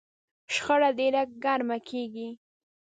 شخړه ډېره ګرمه کېږي.